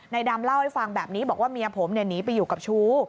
ดำเล่าให้ฟังแบบนี้บอกว่าเมียผมหนีไปอยู่กับชู้